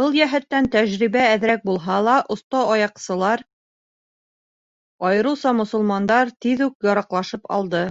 Был йәһәттән тәжрибә әҙерәк булһа ла, оҫта аяҡсылар, айырыуса мосолмандар тиҙ үк яраҡлашып алды.